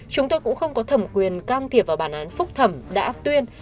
chúng tôi cũng không có thẩm quyền can thiệp vào bản án phúc thẩm đã tuyên